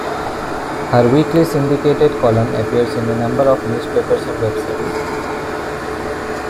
Her weekly syndicated column appears in a number of newspapers and websites.